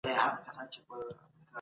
تاسو باید د ناروغ کسانو جامې جلا ومینځئ.